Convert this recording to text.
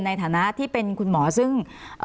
ในฐานะที่เป็นคุณหมอซึ่ง